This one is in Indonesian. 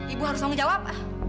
ibu harus tanggung jawab